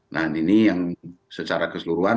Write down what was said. nah ini yang secara keseluruhan